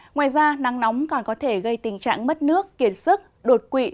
ngoài ra nắng nóng còn có thể gây tình trạng mất nước kiệt sức đột quỵ